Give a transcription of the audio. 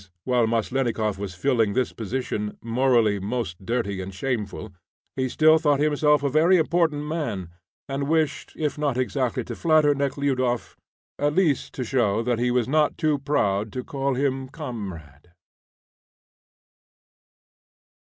while Maslennikoff was filling this position, morally most dirty and shameful, he still thought himself a very important man, and wished, if not exactly to flatter Nekhludoff, at least to show that he was not too proud to call him comrade.